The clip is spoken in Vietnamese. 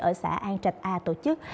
ở xã an trạch a tổ chức